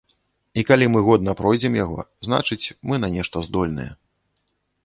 І калі мы годна пройдзем яго, значыць, мы на нешта здольныя.